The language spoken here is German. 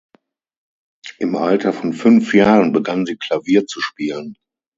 Im Alter von fünf Jahren begann sie Klavier zu spielem.